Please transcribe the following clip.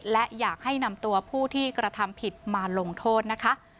และอยากให้นำตัวผู้ที่กระทำผิดมาลงโทษนะคะ